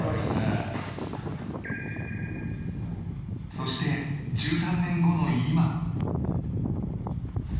そして１３年後の今